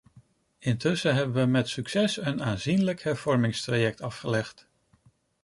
Intussen hebben we met succes een aanzienlijk hervormingstraject afgelegd.